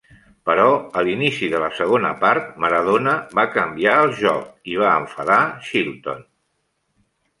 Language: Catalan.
Però a l'inici de la segona part, Maradona va canviar el joc i va enfadar Shilton.